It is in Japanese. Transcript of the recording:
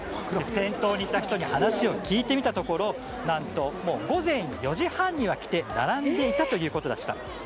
先頭にいた人に話を聞いてみたところ何と午前４時半には来て並んでいたということでした。